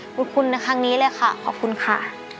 ขอบคุณในครั้งนี้เลยค่ะขอบคุณค่ะ